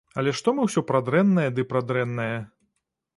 Але што мы ўсё пра дрэннае ды пра дрэннае?